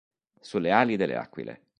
Sulle ali delle aquile